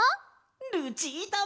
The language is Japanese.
ルチータも。